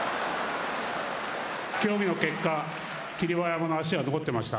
協議の結果、霧馬山の足が残ってました。